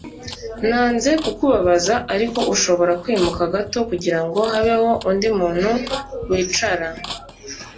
Nanze kukubabaza ariko ushobora kwimuka gato kugirango habeho undi muntu wicara